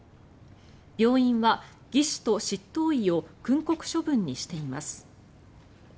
病院は技士と執刀医を訓告処分にしています。